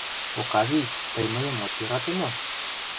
— Окавий, тый мыйым от йӧрате мо?